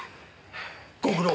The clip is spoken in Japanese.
ご苦労。